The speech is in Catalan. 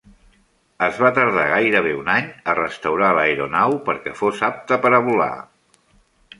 Es va tardar gairebé un any a restaurar l'aeronau perquè fos apta per volar.